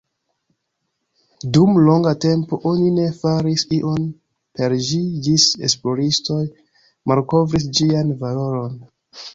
Dum longa tempo oni ne faris ion per ĝi ĝis esploristoj malkovris ĝian valoron.